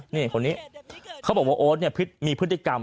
นี่คนนี้เขาบอกมีพฤติกรรม